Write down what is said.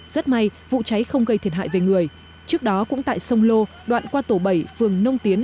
rất may vụ cháy không gây thiệt hại về người trước đó cũng tại sông lô đoạn qua tổ bảy phường nông tiến